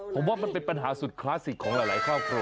ผมว่ามันเป็นปัญหาสุดคลาสสิกของหลายครอบครัว